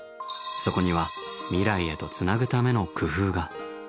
そこには未来へとつなぐための工夫が。